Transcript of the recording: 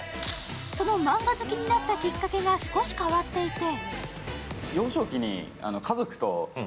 そのマンガ好きになったきっかけが少し変わっていて。